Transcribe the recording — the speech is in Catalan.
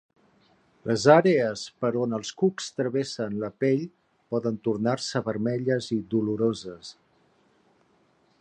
Les àrees per on els cucs travessen la pell poden tornar-se vermelles i doloroses.